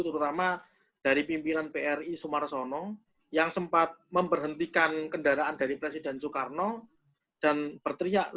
terutama dari pimpinan pri sumarsono yang sempat memberhentikan kendaraan dari presiden soekarno dan berteriak